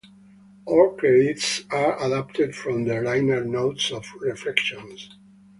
All credits are adapted from the liner notes of "Reflections".